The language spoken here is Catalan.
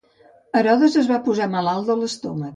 Herodes es va posar malalt de l'estómac.